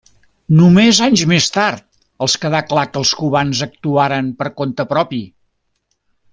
Només anys més tard els quedà clar que els cubans actuaren per compte propi.